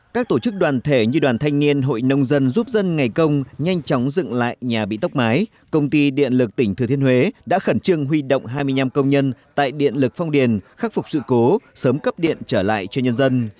các tổ chức đoàn thể như đoàn thanh niên hội nông dân giúp dân ngày công nhanh chóng dựng lại nhà bị tốc mái công ty điện lực tỉnh thừa thiên huế đã khẩn trương huy động hai mươi năm công nhân tại điện lực phong điền khắc phục sự cố sớm cấp điện trở lại cho nhân dân